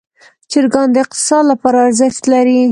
چرګان د اقتصاد لپاره ارزښت لري.